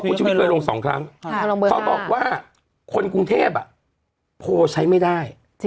เขาบอกว่าคนกรุงเทพฯโพลใช้ไม่ได้